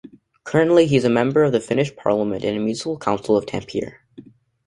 Currently he is a member of the Finnish Parliament and municipal council of Tampere.